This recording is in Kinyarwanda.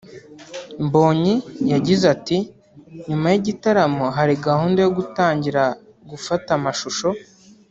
Mbonyi yagize ati “ Nyuma y’igitaramo hari gahunda yo gutangira gufata amashusho